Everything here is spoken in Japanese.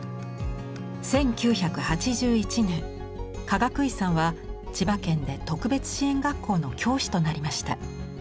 １９８１年かがくいさんは千葉県で特別支援学校の教師となりました。